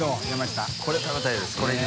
次これ食べたいです。